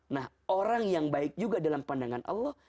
nah orang yang baik juga dalam pandangan allah